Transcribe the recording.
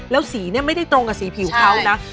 แล้วสีเนี่ยไม่ได้ตรงกับสีผิวเขานะ